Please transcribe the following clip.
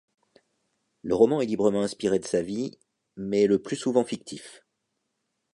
Le roman est librement inspiré de sa vie, mais est le plus souvent fictif.